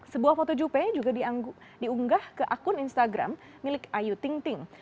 sebuah foto juppe juga diunggah ke akun instagram milik ayu ting ting